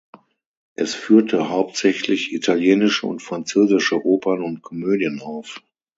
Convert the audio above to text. Es führte hauptsächlich italienische und französische Opern und Komödien auf.